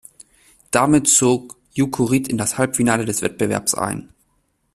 Damit zog Jukurit in das Halbfinale des Wettbewerbs ein.